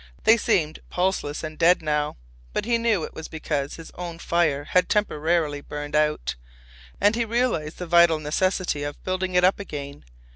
They seemed pulseless and dead now, but he knew it was because his own fire had temporarily burned out. And he realized the vital necessity of building it up again.